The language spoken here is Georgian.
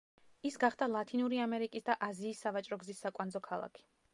ის გახდა ლათინური ამერიკის და აზიის სავაჭრო გზის საკვანძო ქალაქი.